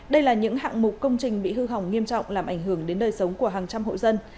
đây là những hạng mục công trình bị hư hỏng nghiêm trọng làm ảnh hưởng đến đời sống của hàng trăm hộ dân